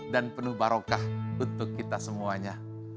dan penuh barokah untuk kita semuanya